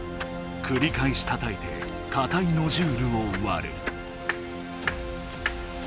くりかえしたたいてかたいノジュールをわる。